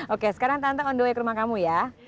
oke sekarang tantangan on the way ke rumah kamu ya